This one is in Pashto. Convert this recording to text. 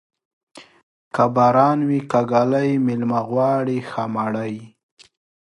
که باران وې که ږلۍ، مېلمه غواړي ښه مړۍ.